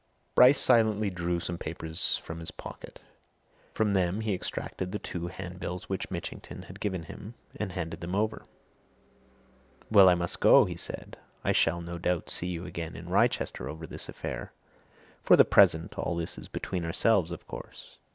Bryce silently drew some papers from his pocket. From them he extracted the two handbills which Mitchington had given him and handed them over. "Well, I must go," he said. "I shall no doubt see you again in Wrychester, over this affair. For the present, all this is between ourselves, of course?"